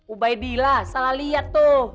ubaidillah salah lihat tuh